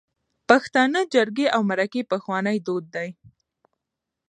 پښتانه جرګی او مرکی پخواني دود ده